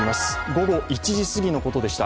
午後１時すぎのことでした。